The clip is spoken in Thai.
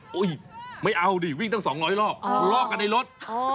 โอ๊ยไม่เอาดิวิ่งตั้งสองร้อยรอบลอกกันในรถ